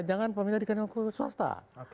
jangan pemerintah dikandalkan swasta